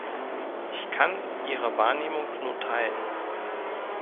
Ich kann ihre Wahrnehmung nur teilen.